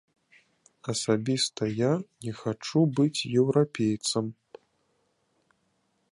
Асабіста я не хачу быць еўрапейцам.